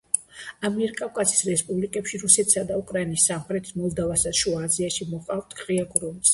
ამიერკავკასიის რესპუბლიკებში, რუსეთსა და უკრაინის სამხრეთით, მოლდოვასა და შუა აზიაში მოჰყავთ ღია გრუნტზე.